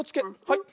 はい。